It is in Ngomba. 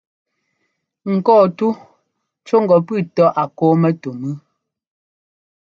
Ŋkɔ́ɔtú cú ŋgɔ pʉ́ʉ tɔ́ a kɔ́ɔ mɛtú mʉ́ʉ.